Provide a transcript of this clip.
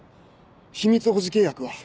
秘密保持契約は？